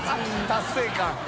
達成感。